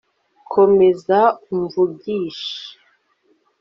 komeza umvugishe